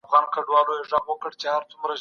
د پوهنيز نظام لپاره به ښه سياستونه عملي سي.